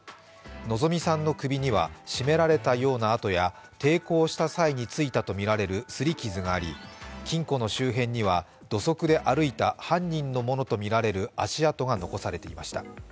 希美さんの首には絞められたような痕や抵抗した際についたとみられる擦り傷があり金庫の周辺には土足で歩いた犯人のものとみられる足跡が残されていました。